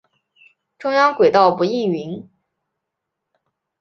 中央轨道不营运。